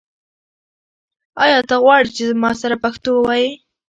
آیا ته غواړې چې زما سره پښتو ووایې؟